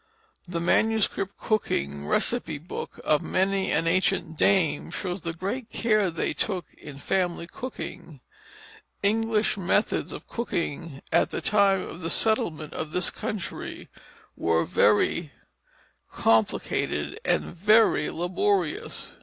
The manuscript cooking receipt book of many an ancient dame shows the great care they took in family cooking. English methods of cooking at the time of the settlement of this country were very complicated and very laborious.